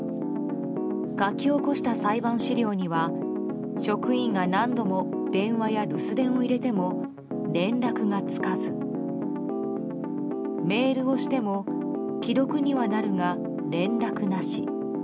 書き起こした裁判資料には職員が何度も電話や留守電を入れても連絡がつかずメールをしても、既読にはなるが連絡なし。